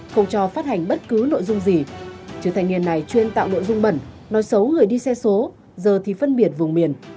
không cho phát hành bất cứ nội dung gì chứ thanh niên này chuyên tạo nội dung bẩn nói xấu người đi xe số giờ thì phân biệt vùng miền